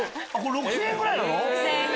６０００円ぐらいなの？